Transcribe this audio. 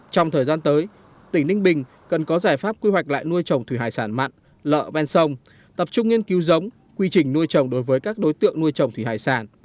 trong thời gian tới tỉnh ninh bình cần có giải pháp quy hoạch lại nuôi trồng thủy hải sản mặn lợ ven sông tập trung nghiên cứu giống quy trình nuôi trồng đối với các đối tượng nuôi trồng thủy hải sản